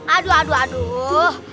aduh aduh aduh